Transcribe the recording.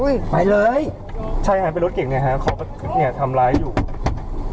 ไปเลยใช่ฮะเป็นรถเก่งไงฮะเขาก็เนี่ยทำร้ายอยู่